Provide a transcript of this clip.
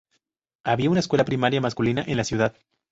Había una escuela primaria masculina en la ciudad.